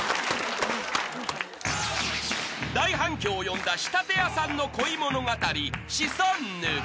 ［大反響を呼んだ仕立屋さんの恋物語］